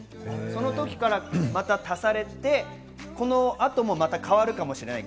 その時から、また足されて、この後もまた変わるかもしれない。